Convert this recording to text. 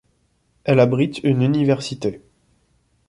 Elle abrite une université.